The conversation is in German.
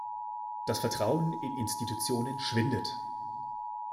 Das Vertrauen in Institutionen schwindet.